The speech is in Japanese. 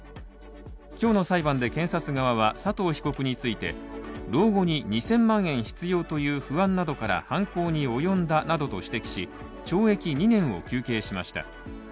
今日の裁判で検察側は、佐藤被告について老後に２０００万円必要だという不安から犯行に及んだなどと指摘し、懲役２年を求刑しました。